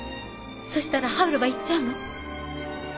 そしたらハウルは行っちゃうの？